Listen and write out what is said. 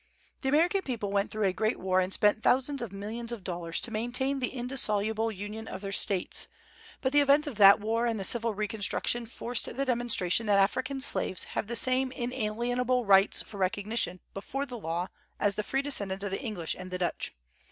The American people went through a great war and spent thousands of millions of dollars to maintain the indissoluble union of their States; but the events of that war and the civil reconstruction forced the demonstration that African slaves have the same inalienable rights for recognition before the law as the free descendants of the English and the Dutch.